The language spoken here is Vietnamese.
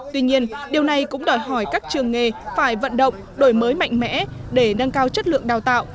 tuy nhiên điều này cũng đòi hỏi các trường nghề phải vận động đổi mới mạnh mẽ để nâng cao chất lượng đào tạo